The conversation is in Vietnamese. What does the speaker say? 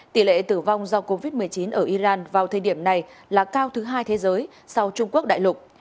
tỷ lệ tử vong do covid một mươi chín ở iran vào thời điểm này là cao thứ hai thế giới sau trung quốc đại lục